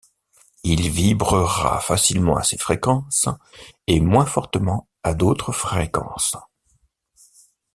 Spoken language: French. Il vibrera facilement à ces fréquences, et moins fortement à d'autres fréquences.